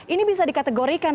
ini bisa dikategorikan